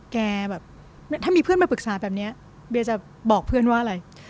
แบบถ้ามีเพื่อนมาปรึกษาแบบนี้เบียจะบอกเพื่อนว่าอะไร